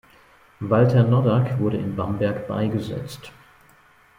Walter Noddack wurde in Bamberg beigesetzt.